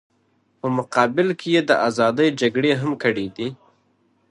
په مقابل کې یې د ازادۍ جګړې هم کړې دي.